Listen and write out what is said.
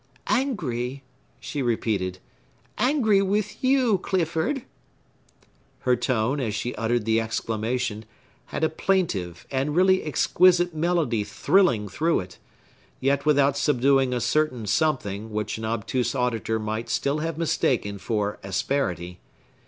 "Angry!" she repeated; "angry with you, Clifford!" Her tone, as she uttered the exclamation, had a plaintive and really exquisite melody thrilling through it, yet without subduing a certain something which an obtuse auditor might still have mistaken for asperity.